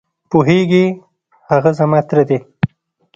پوهېږې؟ هغه زما تره دی.